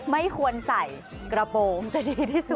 ไม่ควรใส่กระโปรงจะดีที่สุด